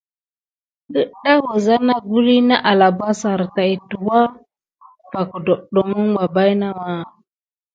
Əɗa wəza naguluy na alabassare tay tuwa suɗucko va kədawlanəŋ ɓa bayna.